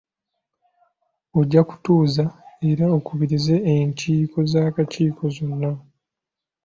Ojja kutuuza era okubirize enkiiko z'akakiiko zonna.